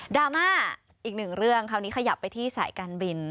รามาอีกหนึ่งเรื่องคราวนี้ขยับไปที่สายการบิน